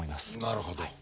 なるほど。